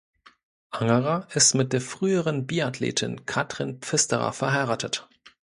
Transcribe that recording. Angerer ist mit der früheren Biathletin Kathrin Pfisterer verheiratet.